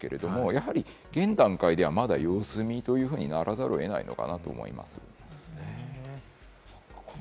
やはり現段階では、まだ様子見というふうにならざるを得ないのかなと思います。